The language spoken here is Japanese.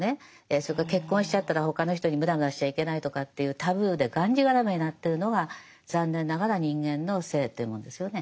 それから結婚しちゃったら他の人にムラムラしちゃいけないとかっていうタブーでがんじがらめになってるのが残念ながら人間の性というもんですよね。